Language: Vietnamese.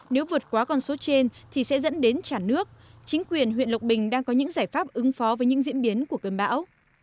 nếu vượt qua con số trên thì sẽ dẫn đến chả nước chính quyền huyện lộc bình đang có những giải pháp ứng phó với những diễn biến của cơn bão